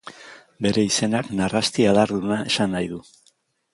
Bere izenak narrasti adarduna esan nahi du.